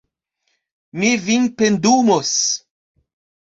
Mi vin pendumos